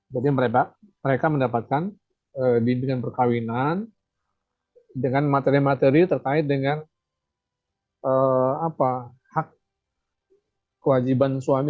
jadi mereka mendapatkan bimbingan perkawinan dengan materi materi terkait dengan hak kewajiban suami